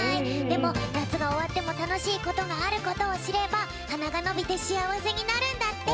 でもなつがおわってもたのしいことがあることをしればはながのびてしあわせになるんだって。